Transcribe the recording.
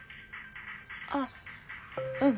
あっうん。